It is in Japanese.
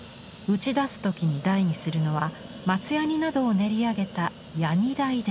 打ち出す時に台にするのは松ヤニなどを練り上げた「ヤニ台」です。